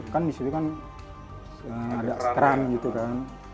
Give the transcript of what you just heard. kan di situ kan ada keran gitu kan